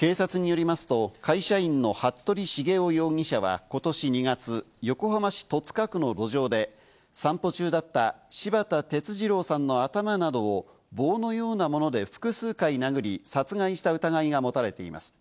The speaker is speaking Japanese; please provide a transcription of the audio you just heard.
警察によりますと会社員の服部繁雄容疑者はことし２月、横浜市戸塚区の路上で散歩中だった柴田哲二郎さんの頭などを、棒のようなもので複数回殴り、殺害した疑いが持たれています。